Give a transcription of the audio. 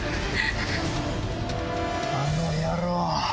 あの野郎！